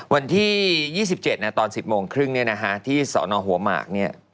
วันที่๒๗เนี่ยตอน๑๐โมงครึ่งเนี่ยนะฮะที่สอนหัวหมากเนี่ย